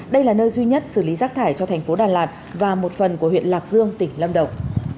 đây là nơi duy nhất xử lý rác thải cho thành phố đà lạt và một phần của huyện lạc dương tỉnh lâm đồng